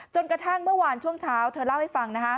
กระทั่งเมื่อวานช่วงเช้าเธอเล่าให้ฟัง